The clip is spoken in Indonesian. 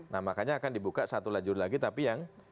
nah makanya akan dibuka satu lajur lagi tapi yang